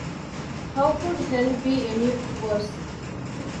How Could Hell Be Any Worse?